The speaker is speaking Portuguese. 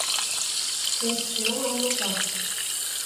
Este não é o meu quarto.